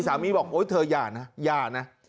สามีบอกโอ๊ยเธอย่านะ